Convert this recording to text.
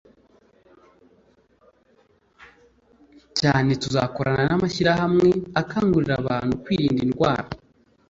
cyane tuzakorana n'amashyirahamwe akangurira abantu kwirinda indwara